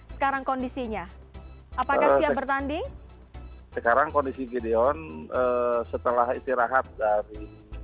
sekarang kondisinya apakah siap bertanding sekarang kondisi gideon setelah istirahat dari